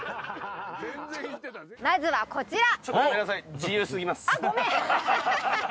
まずはこちら。